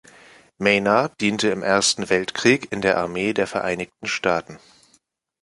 Maynard diente im Ersten Weltkrieg in der Armee der Vereinigten Staaten.